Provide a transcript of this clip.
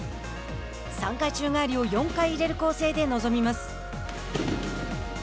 ３回宙返りを４回入れる構成で臨みます。